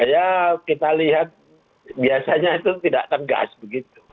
ya kita lihat biasanya itu tidak tegas begitu